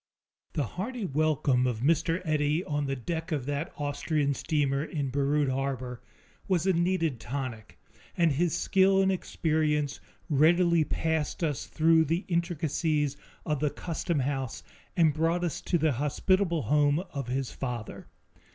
The hearty welcome of Mr. Eddy on the deck of that Austrian steamer in Beirut harbor was a needed tonic, and his skill and experience readily passed us through the intricacies of the customhouse and brought us to the hospitable home of his father.